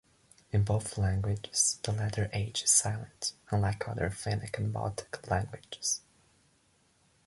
In both languages the letter "h" is silent, unlike other Finnic and Baltic languages.